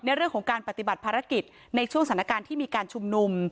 เรื่องของการปฏิบัติภารกิจในช่วงสถานการณ์ที่มีการชุมนุม